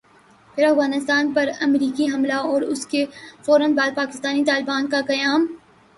پھر افغانستان پر امریکی حملہ اور اسکے فورا بعد پاکستانی طالبان کا قیام ۔